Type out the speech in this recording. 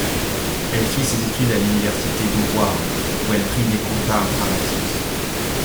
Elle fit ses études à l'Université d'Howard où elle prit des cours d'art dramatique.